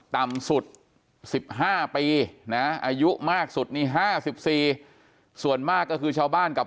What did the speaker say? ต่ำสุด๑๕ปีนะอายุมากสุดนี่๕๔ส่วนมากก็คือชาวบ้านกับ